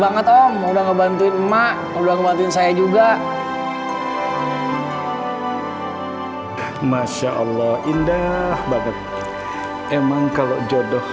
banget om udah ngebantuin emak udah ngebantuin saya juga masya allah indah banget emang kalau jodoh